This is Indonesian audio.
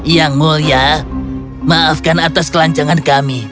yang mulia maafkan atas kelanjangan kami